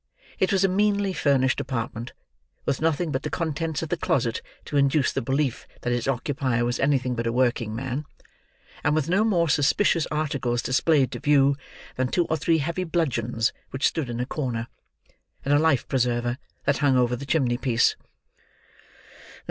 It was a meanly furnished apartment, with nothing but the contents of the closet to induce the belief that its occupier was anything but a working man; and with no more suspicious articles displayed to view than two or three heavy bludgeons which stood in a corner, and a "life preserver" that hung over the chimney piece.